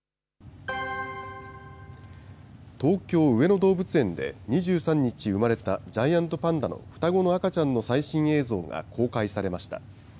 東京・上野動物園で２３日、産まれたジャイアントパンダの双子の赤ちゃんの最新映像が公開されました。